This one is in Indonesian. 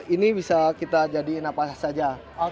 ini bisa kita jadiin apa saja